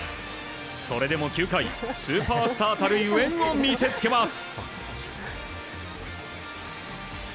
それでも９回スーパースターたるゆえんを見せつけます。